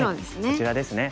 こちらですね。